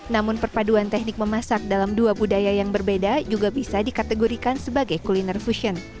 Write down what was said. namun perpaduan teknik memasak dalam dua budaya yang berbeda juga bisa dikategorikan sebagai kuliner fusion